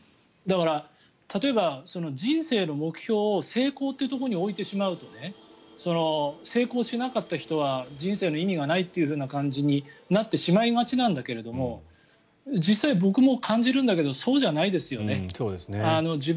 だから、例えば人生の目標を成功というところに置いてしまうと成功しなかった人は人生の意味がないという感じになってしまいがちなんだけれど実際、僕も感じるんだけどそうじゃないですよね。